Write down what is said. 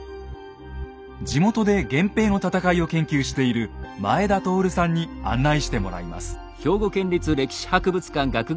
地元で源平の戦いを研究している前田徹さんに案内してもらいます。